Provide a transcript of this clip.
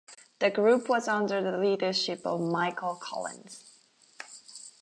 The group was under the leadership of Michael Collins.